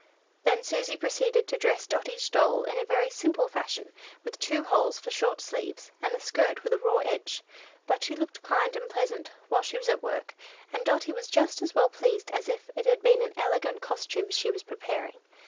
Then Susy proceeded to dress Dotty's doll in a very simple fashion, with two holes for short sleeves, and a skirt with a raw edge; but she looked kind and pleasant while she was at work, and Dotty was just as well pleased as if it had been an elegant costume she was preparing.